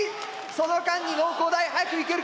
その間に農工大はやくいけるか？